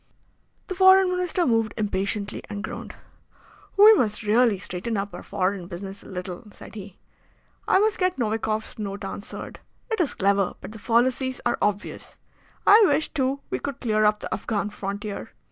The Foreign Minister moved impatiently and groaned. "We must really straighten up our foreign business a little," said he. "I must get Novikoff's Note answered. It is clever, but the fallacies are obvious. I wish, too, we could clear up the Afghan frontier.